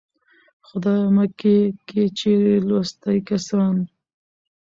خدايه مکې که چېرې لوستي کسان